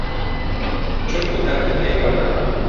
چون خودا دنیای وا دانا